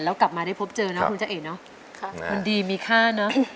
แล้วกลับมาได้พบเจอนะคุณเจ๋เอ๋นะคุณดีมีค่านะ